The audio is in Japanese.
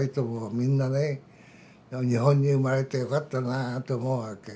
みんなね日本に生まれてよかったなと思うわけ。